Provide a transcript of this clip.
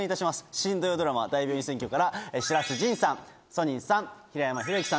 新土曜ドラマ『大病院占拠』から白洲迅さんソニンさん平山浩行さんです。